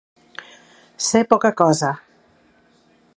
Ser poca cosa.